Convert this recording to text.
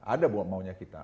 ada buat maunya kita